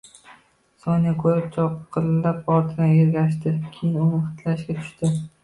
Sonyani koʻrib, chopqillab ortidan ergashdi, keyin uni hidlashga tushdi